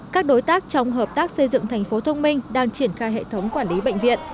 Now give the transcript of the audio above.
các đối tác trong hợp tác xây dựng thành phố thông minh đang triển khai hệ thống quản lý bệnh viện